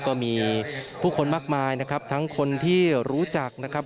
ก็มีผู้คนมากมายนะครับทั้งคนที่รู้จักนะครับ